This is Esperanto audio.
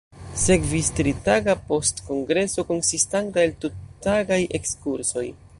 Sekvis tritaga postkongreso konsistanta el tuttagaj ekskursoj.